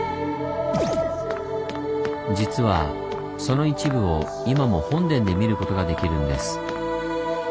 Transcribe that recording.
実はその一部を今も本殿で見ることができるんです。